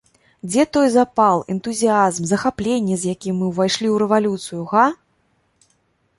Дзе той запал, энтузіязм, захапленне, з якім мы ўвайшлі ў рэвалюцыю, га?